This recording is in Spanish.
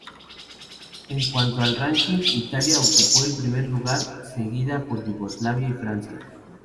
En cuanto al ranking, Italia ocupó el primer lugar, seguida por Yugoslavia y Francia.